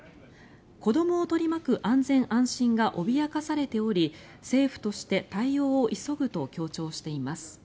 子どもを取り巻く安全安心が脅かされており政府として対応を急ぐと強調しています。